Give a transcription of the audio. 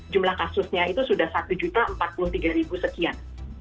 jumlah kasusnya itu sudah satu empat puluh tiga sekian